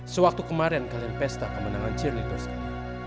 sewaktu kemarin kalian pesta kemenangan cheerleaders kali